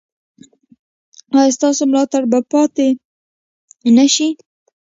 ایا ستاسو ملاتړ به پاتې نه شي؟